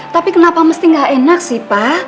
tapi kenapa mesti nggak enak sih pak